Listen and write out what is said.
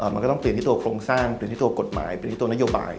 มันก็ต้องเปลี่ยนที่ตัวโครงสร้างเปลี่ยนที่ตัวกฎหมายไปที่ตัวนโยบาย